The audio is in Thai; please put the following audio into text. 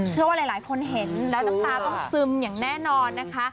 เชื่อว่าหลายหลายคนเห็นแล้วต้องซึมอย่างแน่นอนนะคะ